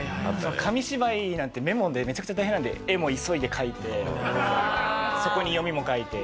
紙芝居なんてメモでめちゃくちゃ大変なんで絵も急いで描いてそこに読みも書いて。